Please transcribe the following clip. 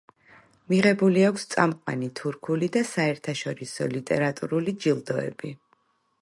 მიღებული აქვს წამყვანი თურქული და საერთაშორისო ლიტერატურული ჯილდოები.